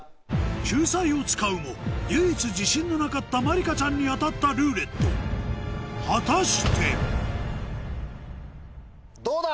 救済を使うも唯一自信のなかったまりかちゃんに当たった「ルーレット」果たして⁉どうだ？